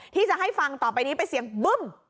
ที่จะให้ฟังต่อไปนี้เป็นเสียงบึ้ม